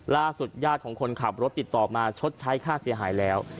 ญาติของคนขับรถติดต่อมาชดใช้ค่าเสียหายแล้ว